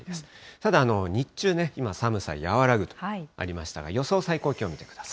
ただ、日中、今、寒さ和らぐとありましたが、予想最高気温見てください。